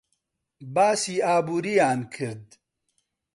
باسی ئابووریان کرد.